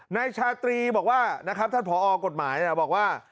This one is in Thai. นายชาตรีบอกว่านะครับท่านผอกฎหมายบอกว่า